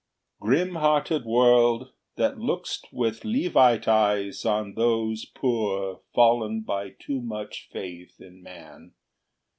VII. Grim hearted world, that look'st with Levite eyes On those poor fallen by too much faith in man.